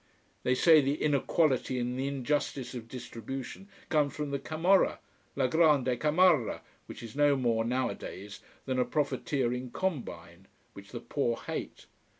They say the inequality and the injustice of distribution comes from the Camorra la grande Camorra which is no more nowadays than a profiteering combine, which the poor hate.